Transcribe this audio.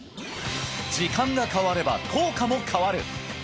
時間が変われば効果も変わる！